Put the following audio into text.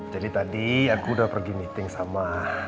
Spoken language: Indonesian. jadi tadi aku udah pergi meeting sama